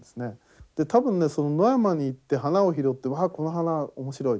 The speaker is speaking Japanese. で多分ねその野山に行って花を拾ってわあこの花面白い。